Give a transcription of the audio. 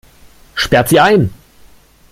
Sperrt sie ein!